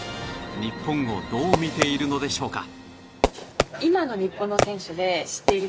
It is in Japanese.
日本をどう見ているのでしょうか。